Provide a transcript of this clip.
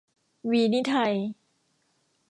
วีนิไทย